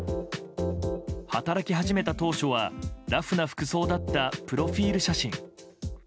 働き始めた当初はラフな服装だったプロフィール写真。